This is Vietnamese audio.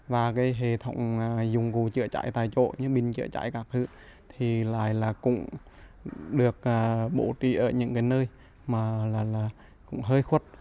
và hệ thống dùng cụ chữa cháy tại chỗ như bình chữa cháy các thứ thì lại cũng được bổ đi ở những nơi hơi khuất